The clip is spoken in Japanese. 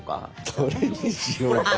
どれにしようかな。